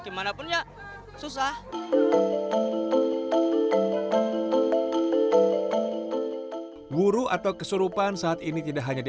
tergantung sih kalau sudah puas ya